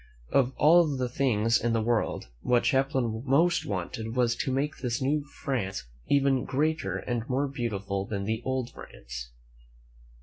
Of all the things in the world, what Champlain most wanted was to make this new France even greater and more beautiful than the old France.